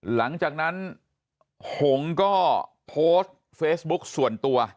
หลังจากนั้นหงก็โพสต์เฟซบุ๊กส่วนตัว